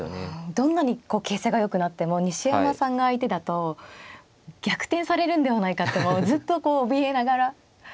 どんなに形勢がよくなっても西山さんが相手だと逆転されるんではないかとずっとこうおびえながら。